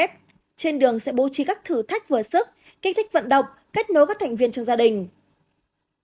trên đường sẽ bố trí các thử thách vừa sức kích thích vận động kết nối các thành viên trong gia đình